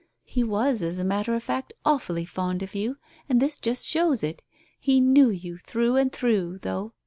He was, as a matter of fact, awfully fond of you, and this just shows it. He knew you through and through — though.